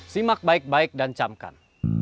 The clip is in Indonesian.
simak baik baik dan camkan